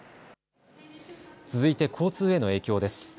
続いて交通への影響です。